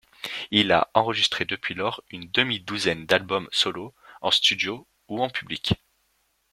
Il a enregistré depuis lors une demi-douzaine d'albums solos, en studio ou en public.